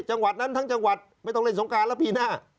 จังหวัดนั้นทั้งจังหวัดไม่ต้องเล่นสงการแล้วปีหน้า